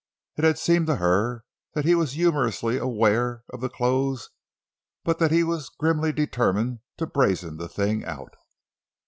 It had seemed to her that he was humorously aware of the clothes, but that he was grimly determined to brazen the thing out.